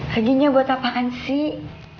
laginya buat apaan sih